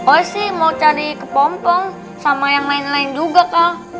oh sih mau cari kepompong sama yang lain lain juga kak